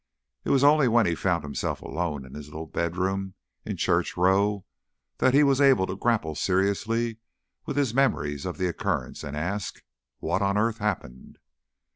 It was only when he found himself alone in his little bed room in Church Row that he was able to grapple seriously with his memories of the occurrence, and ask, "What on earth happened?"